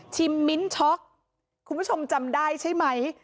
มิ้นช็อกคุณผู้ชมจำได้ใช่ไหม